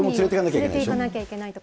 連れて行かないといけないし。